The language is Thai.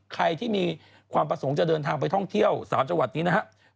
ใครที่มีความประสงค์จะเดินทางไปท่องเที่ยว๓จังหวัดนี้นะครับ